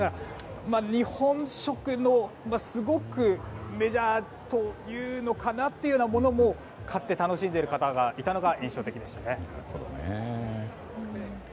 日本食のすごくメジャーというのかなというものも買って楽しんでいる方がいたのが印象的でしたね。